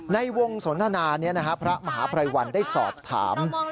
ในวงสนทนานี้พระมหาภัยวันได้สอบถาม